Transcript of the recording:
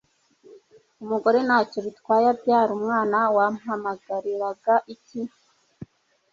umugore ntacyo bitwaye abyara umwana wampamagariraga iki